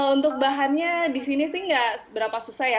untuk bahannya di sini sih nggak seberapa susah ya